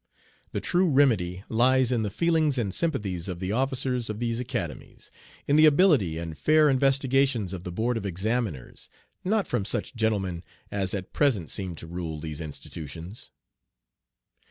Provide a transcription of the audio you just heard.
"The true remedy lies in the feelings and sympathies of the officers of these academies, in the ability and fair investigations of the board of examiners; not from such gentlemen as at present seem to rule these institutions.